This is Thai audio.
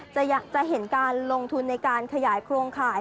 จะเห็นการลงทุนในการขยายโครงข่าย